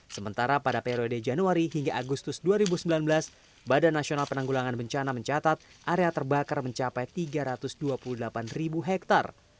sementara pada periode januari hingga agustus dua ribu sembilan belas badan nasional penanggulangan bencana mencatat area terbakar mencapai tiga ratus dua puluh delapan ribu hektare